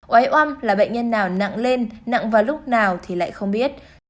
oiom là bệnh nhân nào nặng lên nặng vào lúc nào thì lại không biết